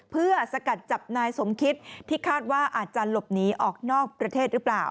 เพื่อสกัดจับนายสมคิดที่คาดว่าอาจจะหลบหนีออกนอกประเทศหรือเปล่า